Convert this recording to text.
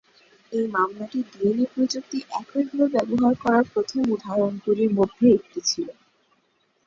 এই মামলাটি ডিএনএ প্রযুক্তি এইভাবে ব্যবহার করার প্রথম উদাহরণগুলির মধ্যে একটি ছিল।